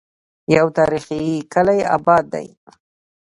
يو تاريخي کلے اباد دی